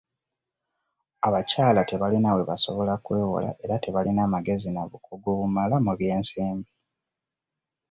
Abakyala tebalina we basobola kwewola era tebalina magezi na bukugu bumala mu by'ensimbi.